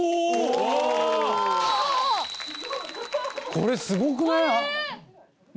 これすごくない？え！